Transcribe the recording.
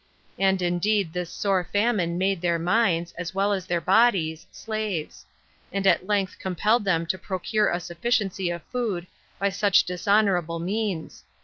And indeed this sore famine made their minds, as well as their bodies, slaves; and at length compelled them to procure a sufficiency of food by such dishonorable means.